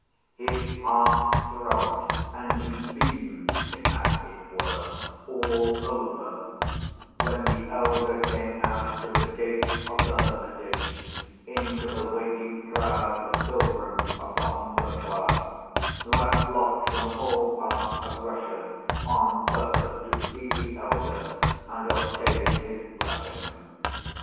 His heart throbbed, and he beamed, as it were, all over when the elder came out to the gates of the hermitage into the waiting crowd of pilgrims of the humbler class who had flocked from all parts of Russia on purpose to see the elder and obtain his blessing.